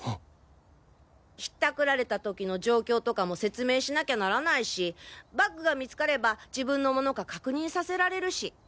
引ったくられた時の状況とかも説明しなきゃならないしバッグが見つかれば自分のものか確認させられるし。